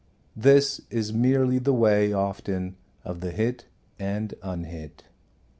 This is merely the way often of the hit and unhit.